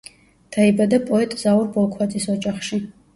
დაიბადა პოეტ ზაურ ბოლქვაძის ოჯახში.